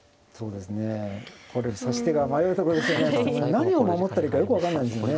何を守ったらいいかよく分かんないんですよね。